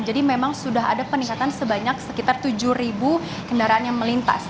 jadi memang sudah ada peningkatan sebanyak sekitar tujuh kendaraan yang melintas